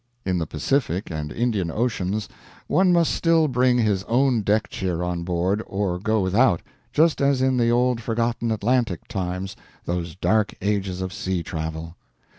In the Pacific and Indian Oceans one must still bring his own deck chair on board or go without, just as in the old forgotten Atlantic times those Dark Ages of sea travel.